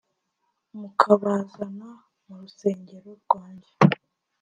mukabazana mu rusengero rwanjye